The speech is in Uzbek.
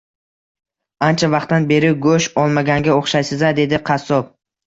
Ancha vaqtdan beri go`sht olmaganga o`xshaysiz-a, dedi qassob